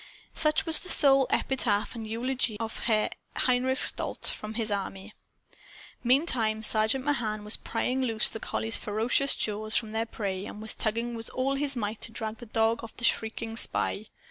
Such was the sole epitaph and eulogy of Herr Heinrich Stolz, from his army. Meantime, Sergeant Mahan was prying loose the collie's ferocious jaws from their prey and was tugging with all his might to drag the dog off the shrieking spy.